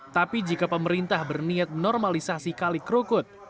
tapi jika pemerintah berniat normalisasi kalik krukut